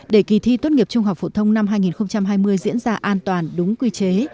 để kỳ thi tốt nghiệp trung học phổ thông năm hai nghìn hai mươi diễn ra an toàn đúng quy chế